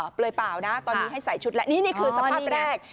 เปลือยเปล่านะตอนนี้ให้ใส่ชุดแล้วนี่คือสภาพแรก